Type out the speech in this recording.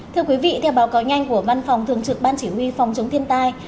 thưa quý vị theo báo cáo nhanh của văn phòng thường trực ban chỉ huy phòng chống thiên tai